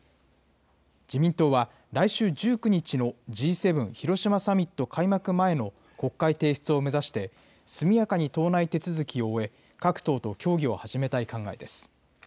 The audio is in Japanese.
自民党は、来週１９日のＧ７広島サミット開幕前の国会提出を目指して、速やかに党内手続きを終え、各党と協議を始めたい考えです。